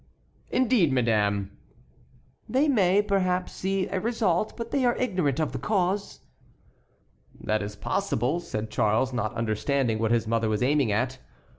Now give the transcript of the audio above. "Indeed, madame!" "They may, perhaps, see a result, but they are ignorant of the cause." "That is possible," said Charles, not understanding what his mother was aiming at.